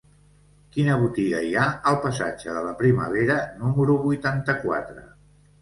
Quina botiga hi ha al passatge de la Primavera número vuitanta-quatre?